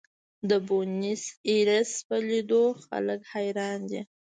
د بونیس ایرس په لیدو خلک حیران دي.